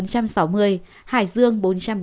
hải dương bốn trăm bốn mươi một